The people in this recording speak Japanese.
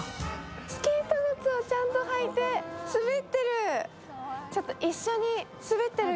スケート靴をちゃんと履いて滑ってる。